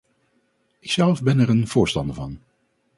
Ikzelf ben er een voorstander van.